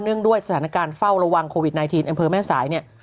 เนื่องด้วยสถานการณ์เฝ้าระวังโควิด๑๙แม่สายเนี่ย